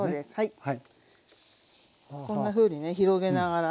はい。